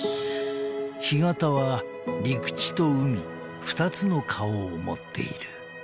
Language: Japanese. ［干潟は陸地と海２つの顔を持っている］